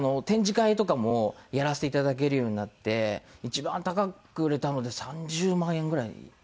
展示会とかもやらせていただけるようになって一番高く売れたので３０万円ぐらい。